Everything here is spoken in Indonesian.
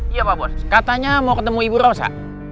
iya pak bos katanya mau ketemu ibu rosa